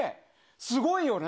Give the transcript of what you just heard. すごいよね？